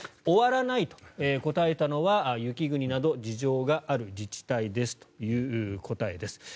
終わらないと答えたのは雪国など事情がある自治体ですという答えです。